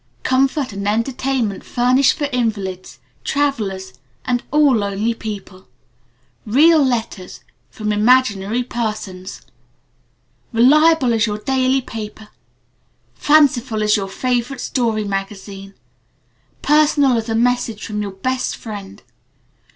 Comfort and entertainment Furnished for Invalids, Travelers, and all Lonely People. Real Letters from Imaginary Persons. Reliable as your Daily Paper. Fanciful as your Favorite Story Magazine. Personal as a Message from your Best Friend.